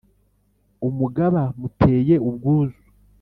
umugaba muteye ubwuzu,